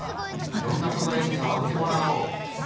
いろんな素材にさわってもらおう。